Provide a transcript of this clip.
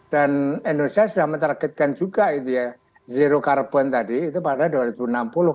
dan indonesia sudah menargetkan juga itu ya zero carbon tadi itu pada tahun dua ribu enam puluh